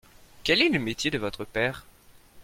Quelle est le métier de votre père ?